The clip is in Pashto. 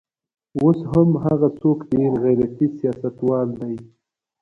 اوس هم هغه څوک ډېر غیرتي سیاستوال دی.